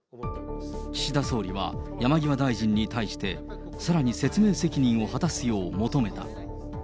岸田総理は山際大臣に対して、さらに説明責任を果たすよう求めた。